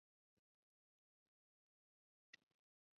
宇宙加速膨胀是现代宇宙学的最大难题之一。